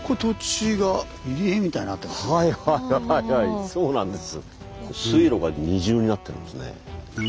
はいはいはいはいそうなんです。